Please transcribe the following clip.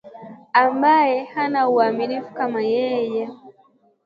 ambaye hana umaarufu kama yeye